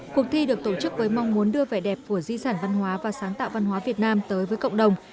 cuộc thi được tổ chức với mong muốn đưa vẻ đẹp của di sản văn hóa và sáng tạo văn hóa việt nam tới với cộng đồng